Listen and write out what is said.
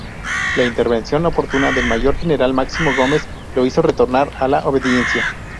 La intervención oportuna del Mayor General Máximo Gómez lo hizo retornar a la obediencia.